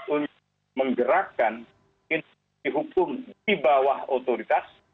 untuk menggerakkan institusi hukum di bawah otoritas